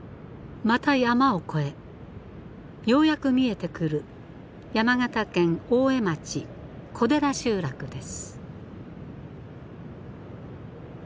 また山を越えようやく見えてくる山形県大江町古寺集落です。